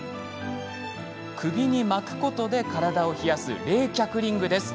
首に巻くことで体を冷やす冷却リングです。